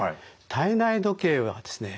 体内時計はですね